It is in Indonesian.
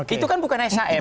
itu kan bukan shm